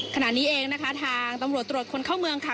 ขณะนี้เองนะคะทางตำรวจตรวจคนเข้าเมืองค่ะ